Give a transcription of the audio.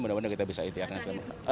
mudah mudahan kita bisa ikhlas